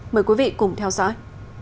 mời quý vị cùng theo dõi